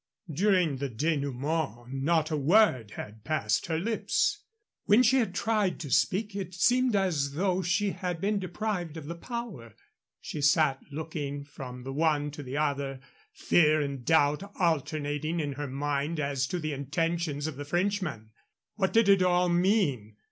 During the dénouement not a word had passed her lips. When she had tried to speak it seemed as though she had been deprived of the power. She had sat looking from the one to the other, fear and doubt alternating in her mind as to the intentions of the Frenchman. What did it all mean?